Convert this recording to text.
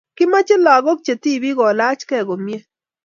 Kimache lakok che tipik ko lach kee komie